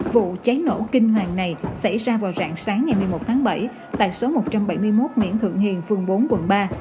vụ cháy nổ kinh hoàng này xảy ra vào rạng sáng ngày một mươi một tháng bảy tại số một trăm bảy mươi một nguyễn thượng hiền phường bốn quận ba